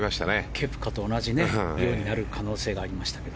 ケプカと同じになる可能性がありましたけど。